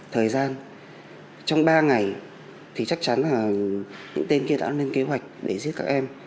thời gian trong ba ngày thì chắc chắn là những tên kia đã lên kế hoạch để giết các em